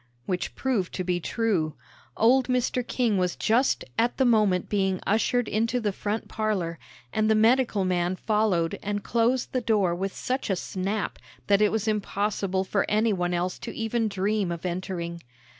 which proved to be true. Old Mr. King was just at the moment being ushered into the front parlor, and the medical man followed and closed the door with such a snap that it was impossible for any one else to even dream of entering.